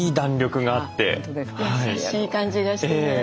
優しい感じがして。